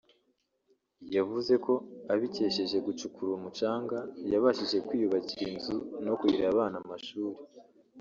yavuze ko abikesheje gucukura umucanga yabashije kwiyubakira inzu no kurihirira abana amashuri